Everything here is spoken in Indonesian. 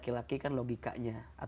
tapi kan logikanya